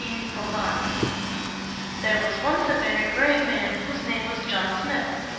POCAHONTAS. There was once a very brave man whose name was John Smith.